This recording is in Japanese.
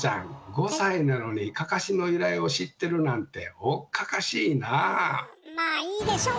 ５歳なのに「かかし」の由来を知ってるなんてまあいいでしょう！